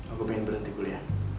aku pengen berhenti kuliah